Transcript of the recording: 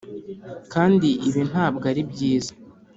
kandi ibi ntabwo ari byiza